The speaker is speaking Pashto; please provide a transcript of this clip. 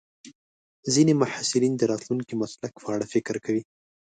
ځینې محصلین د راتلونکي مسلک په اړه فکر کوي.